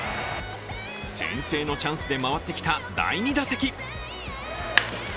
先制のチャンスで回ってきた第２打席。